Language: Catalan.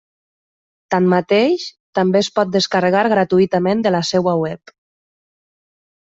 Tanmateix, també es pot descarregar gratuïtament de la seva web.